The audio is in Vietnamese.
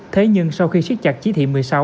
thế nhưng sau khi siết chặt chỉ thị một mươi sáu